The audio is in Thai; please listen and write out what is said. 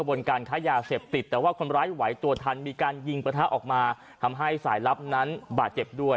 บนการค้ายาเสพติดแต่ว่าคนร้ายไหวตัวทันมีการยิงประทะออกมาทำให้สายลับนั้นบาดเจ็บด้วย